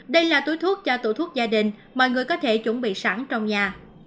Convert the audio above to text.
đây là túi thuốc cho tủ thuốc gia đình mọi người có thể chuẩn bị sẵn trong nhà